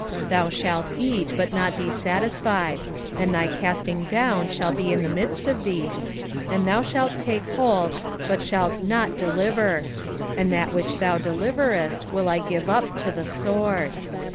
6:14 Thou shalt eat, but not be satisfied; and thy casting down shall be in the midst of thee; and thou shalt take hold, but shalt not deliver; and that which thou deliverest will I give up to the sword.